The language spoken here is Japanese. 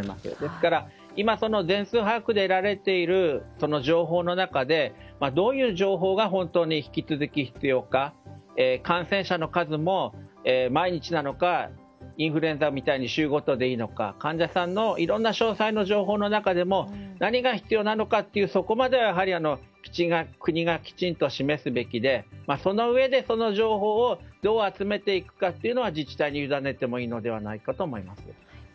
ですから今、全数把握で得られている情報の中でどういう情報が本当に引き続き必要か感染者の数も毎日なのかインフルエンザみたいに週ごとでいいのか患者さんの詳細な情報の中でも何が必要なのかという、そこまで国がきちんと示すべきでそのうえでその情報をどう集めていくかというのは自治体に委ねてもいいのではないかと思います。